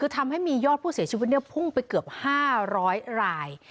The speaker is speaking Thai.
ทำให้มียอดผู้เสียชีวิตพุ่งไปเกือบ๕๐๐ราย